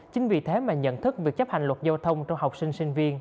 chính vì thế mà nhận thức việc chấp hành luật giao thông trong học sinh sinh viên